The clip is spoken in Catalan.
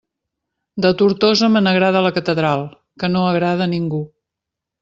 De Tortosa me n'agrada la catedral, que no agrada a ningú!